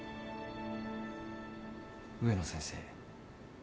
植野先生。